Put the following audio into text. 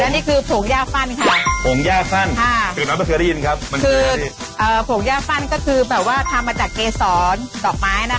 นี่พี่ต้องแข่งเนอร์กรีของอินเดียเขาสั่งจากอินเดียเลย